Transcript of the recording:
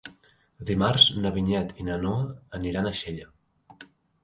Dimarts na Vinyet i na Noa aniran a Xella.